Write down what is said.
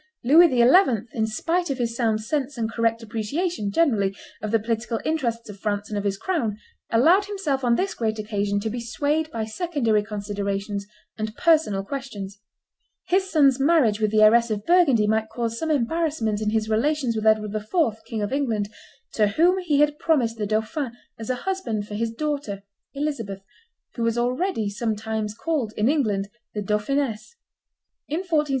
Louis XI., in spite of his sound sense and correct appreciation, generally, of the political interests of France and of his crown, allowed himself on this great occasion to be swayed by secondary considerations and personal questions. His son's marriage with the heiress of Burgundy might cause some embarrassment in his relations with Edward IV., King of England, to whom he had promised the dauphin as a husband for his daughter Elizabeth, who was already sometimes called, in England, the Dauphiness.